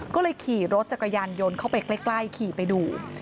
ก็เลยขี่รถจักรยานยนต์เข้าไปใกล้ขี่ไปดู